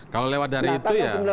kalau lewat dari itu ya